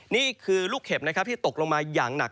นี่คือลูกเห็บนะครับที่ตกลงมาอย่างหนัก